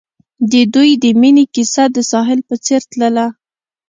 د دوی د مینې کیسه د ساحل په څېر تلله.